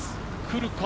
来るか？